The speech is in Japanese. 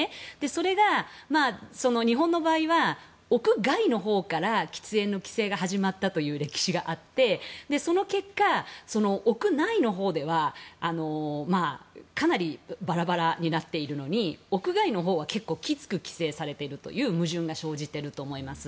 それが日本の場合は屋外のほうから喫煙の規制が始まったという歴史があってその結果、屋内のほうではかなりバラバラになっているのに屋外のほうは結構きつく規制されているという矛盾が生じていると思います。